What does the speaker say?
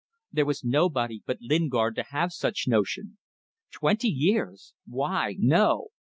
There was nobody but Lingard to have such notions. Twenty years! Why, no!